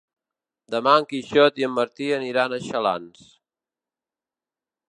Demà en Quixot i en Martí aniran a Xalans.